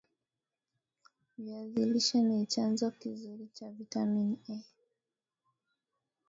Viazi lishe ni chanzo kizuri cha vitamin A